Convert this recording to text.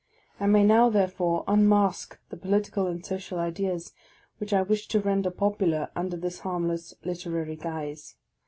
I may now, therefore, unmask the political and social ideas which I wished to render popular under this harmless literary guise.